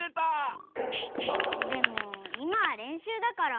でもいまはれんしゅうだから。